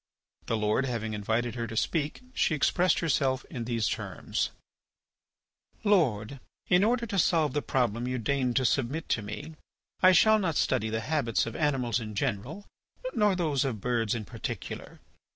The Lord having invited her to speak, she expressed herself in these terms: "Lord, in order to solve the problem you deign to submit to me I shall not study the habits of animals in general nor those of birds in particular.